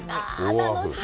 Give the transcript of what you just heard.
楽しみ！